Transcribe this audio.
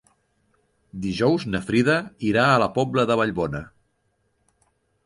Dijous na Frida irà a la Pobla de Vallbona.